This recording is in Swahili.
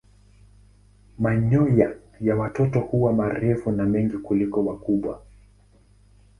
Manyoya ya watoto huwa marefu na mengi kuliko ya wakubwa.